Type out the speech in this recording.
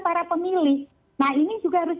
para pemilih nah ini juga harus